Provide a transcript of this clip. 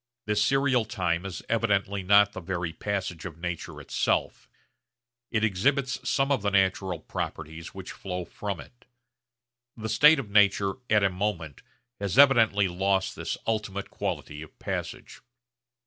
This serial time is evidently not the very passage of nature itself. It exhibits some of the natural properties which flow from it. The state of nature 'at a moment' has evidently lost this ultimate quality of passage.